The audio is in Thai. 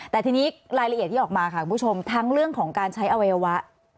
แต่ทีนี้รายละเอียดที่ออกมาทั้งเรื่องของการใช้อวรรยาวะ